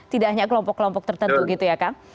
tidak hanya kelompok kelompok tertentu gitu ya kang